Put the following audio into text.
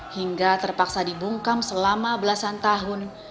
hingga terpaksa dibungkak